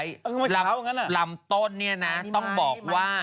เออไม่ช้าวอย่างนั้นน่ะลำต้นเนี่ยนะต้องบอกว่า